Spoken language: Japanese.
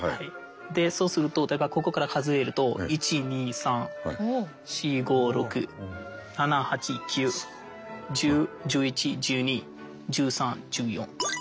でそうするとここから数えると１２３４５６７８９１０１１１２１３１４。